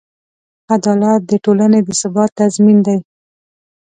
عدالت د ټولنې د ثبات تضمین دی.